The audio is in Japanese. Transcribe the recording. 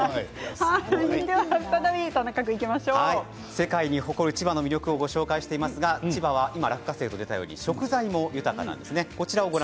世界に誇る千葉県の魅力を紹介していますが千葉は落花生も出たように食材も豊かなんですね。